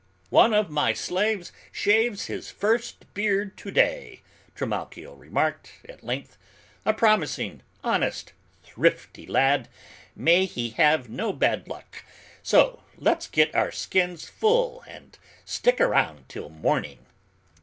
"One of my slaves shaves his first beard today," Trimalchio remarked, at length, "a promising, honest, thrifty lad; may he have no bad luck, so let's get our skins full and stick around till morning."